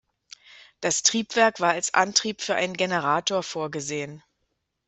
Das Triebwerk war als Antrieb für einen Generator vorgesehen.